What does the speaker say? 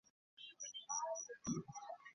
আমরা ওর কোনো প্রিয়জনকে খুঁজে ব্ল্যাকমেইল করব।